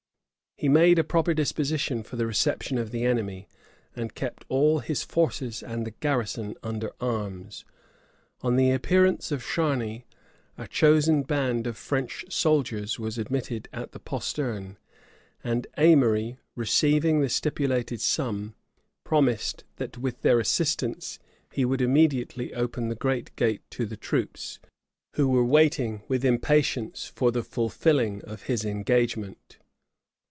He made a proper disposition for the reception of the enemy, and kept all his forces and the garrison under arms. On the appearance of Charni, a chosen band of French soldiers was admitted at the postern, and Aimery, receiving the stipulated sum, promised that, with their assistance, he would immediately open the great gate to the troops, who were waiting with impatience for the fulfilling of his engagement.